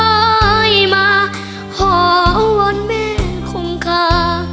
ลอยมาขออวอนแม่ของข้า